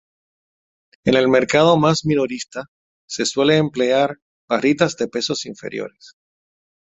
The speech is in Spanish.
En el mercado más minorista se suelen emplear barritas de pesos inferiores.